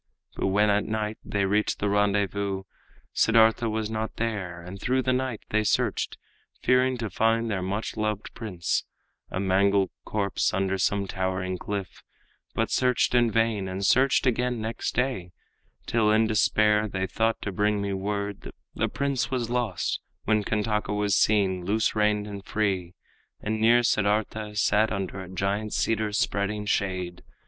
But when at night they reached the rendezvous, Siddartha was not there; and through the night They searched, fearing to find their much loved prince A mangled corpse under some towering cliff, But searched in vain, and searched again next day, Till in despair they thought to bring me word The prince was lost, when Kantaka was seen Loose reined and free, and near Siddartha sat Under a giant cedar's spreading shade.